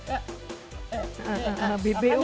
เออเออเออเออ